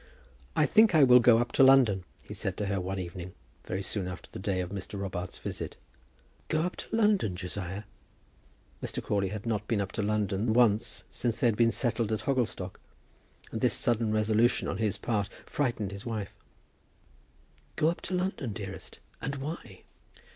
"I think I will go up to London," he said to her one evening, very soon after the day of Mr. Robarts's visit. "Go up to London, Josiah!" Mr. Crawley had not been up to London once since they had been settled at Hogglestock, and this sudden resolution on his part frightened his wife. "Go up to London, dearest! and why?"